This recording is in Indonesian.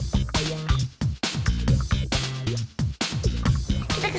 kita kesana yuk